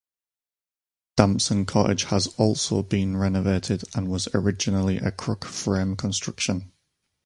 Damson Cottage has also been renovated and was originally of cruck frame construction.